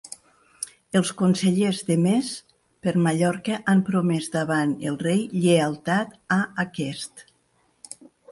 Els consellers de Més per Mallorca han promès davant el rei lleialtat a aquest